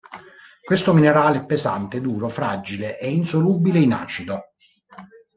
Questo minerale è pesante, duro, fragile e insolubile in acido.